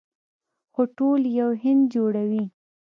خو ټول یو هند جوړوي.